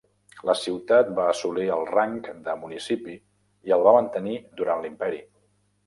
La ciutat va assolir el rang de municipi i el va mantenir durant l'imperi.